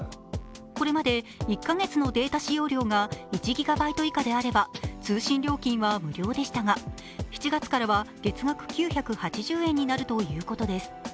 これまで１カ月のデータ使用料が１ギガバイト以下であれば通信料金は無料でしたが７月からは月額９８０円になるということです。